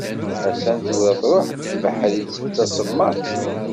Attan tura truḥ-d tebḥritt d tasemmaḍt.